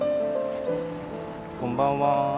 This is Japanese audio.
こんばんは。